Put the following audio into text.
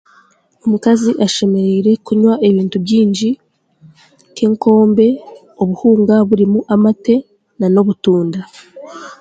Omukaazi ashemereire kunywa ebintu bingi nk'enkombe, obuhunga burimu amate na n'obutunda.